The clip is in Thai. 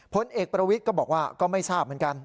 ผลเอกประวิทย์ก็บอกว่าก็ไม่ทราบเหมือนกัน